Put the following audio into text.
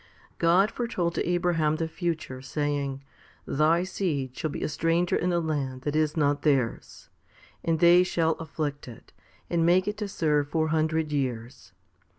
* God foretold to Abraham the future, saying, Thy seed shall be a stranger in a land that is not theirs, and they shall afflict it, and make it to serve four hundred years.